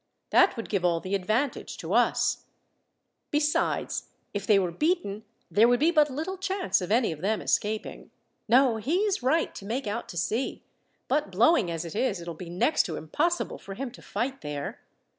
"That would give all the advantage to us. Besides, if they were beaten there would be but little chance of any of them escaping. No, he is right to make out to sea, but blowing as it is, it will be next to impossible for him to fight there.